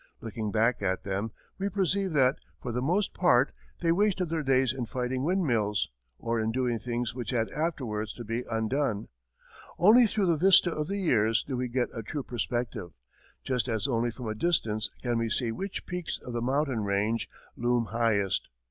Looking back at them, we perceive that, for the most part, they wasted their days in fighting wind mills, or in doing things which had afterwards to be undone. Only through the vista of the years do we get a true perspective, just as only from a distance can we see which peaks of the mountain range loom highest.